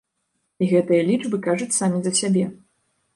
І гэтыя лічбы кажуць самі за сябе.